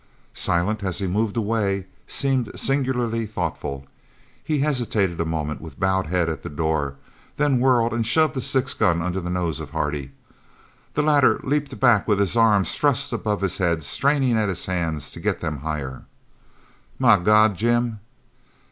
Silent, as he moved away, seemed singularly thoughtful. He hesitated a moment with bowed head at the door then whirled and shoved a six gun under the nose of Hardy. The latter leaped back with his arms thrust above his head, straining at his hands to get them higher. "My God, Jim!"